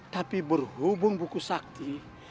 tapi berhubung buku sakti